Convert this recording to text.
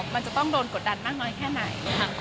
มันจะต้องโดนกดดันมากน้อยแค่ไหน